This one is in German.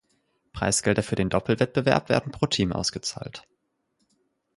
Preisgelder für den Doppelwettbewerb werden pro Team ausgezahlt.